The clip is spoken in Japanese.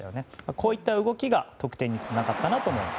こういった動きが得点につながったなと思います。